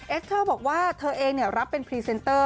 เอสเตอร์บอกว่าเธอเองรับเป็นพรีเซนเตอร์